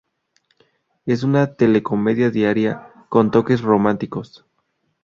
Es una telecomedia diaria, con toques románticos.